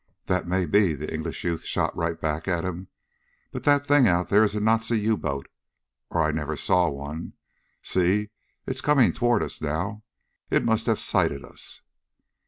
"That may be!" the English youth shot right back at him. "But that thing out there is a Nazi U boat, or I never saw one. See? It's coming toward us now. It must have sighted us!"